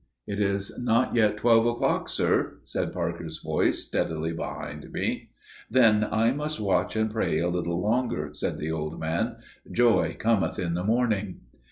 "It is not yet twelve o'clock, sir," said Parker's voice steadily behind me. "Then I must watch and pray a little longer," said the old man. "Joy cometh in the morning."